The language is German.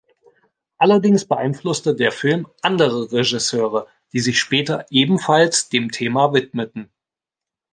Allerdings beeinflusste der Film andere Regisseure, die sich später ebenfalls dem Thema widmeten.